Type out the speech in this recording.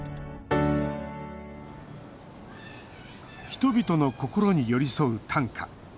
人々の心に寄り添う短歌。